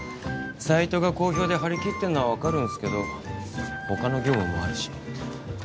サイトが好評で張り切ってんのは分かるんすけど他の業務もあるし